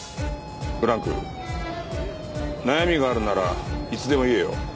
ブランク悩みがあるならいつでも言えよ。